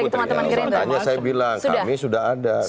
makanya saya bilang kami sudah ada